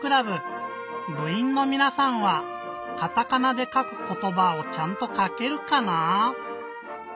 ぶいんのみなさんは「カタカナでかくことば」をちゃんとかけるかな？